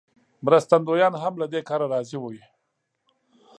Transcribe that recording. مرستندویان هم له دې کاره راضي وي.